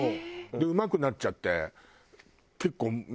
でうまくなっちゃって。